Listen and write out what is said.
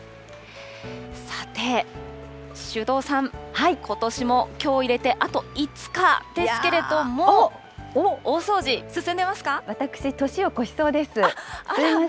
さて、首藤さん、ことしもきょうを入れてあと５日ですけれども、私、年を越しそうです。